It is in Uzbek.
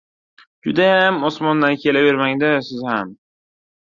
— Judayam osmondan kelavermang-da, siz ham.